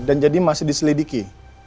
dan jadi masih diselidiki